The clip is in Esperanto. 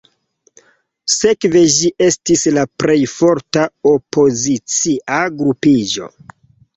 Sekve ĝi estis la plej forta opozicia grupiĝo.